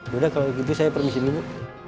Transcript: sudah kalau begitu saya permisi dulu